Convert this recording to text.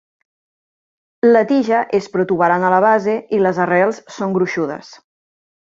La tija és protuberant a la base i les arrels són gruixudes.